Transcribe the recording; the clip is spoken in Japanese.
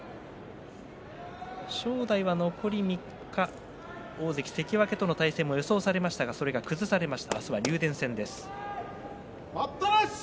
正代は残り３日大関関脇との対戦が予想されましたがそれが崩されました。